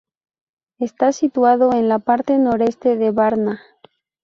Está situado en la parte noreste de Varna.